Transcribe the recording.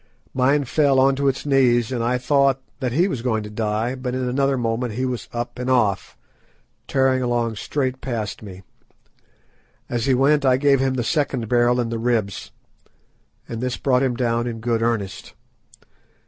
Mine fell on to its knees and I thought that he was going to die, but in another moment he was up and off, tearing along straight past me. As he went I gave him the second barrel in the ribs, and this brought him down in good earnest.